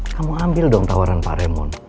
kamu ambil dong tawaran pak remon